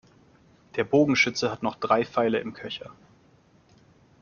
Der Bogenschütze hat noch drei Pfeile im Köcher.